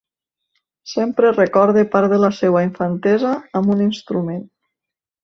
Sempre recorda part de la seua infantesa amb un instrument.